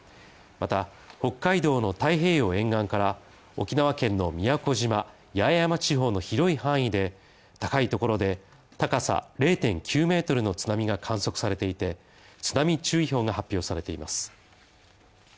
また、北海道の太平洋沿岸から、沖縄県の宮古島・八重山地方の広い範囲で高いところで、高さ０．９ｍの津波が観測されていて、津波注意報が発表されています。